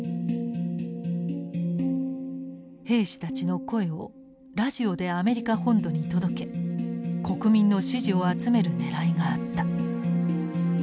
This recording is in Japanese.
兵士たちの声をラジオでアメリカ本土に届け国民の支持を集めるねらいがあった。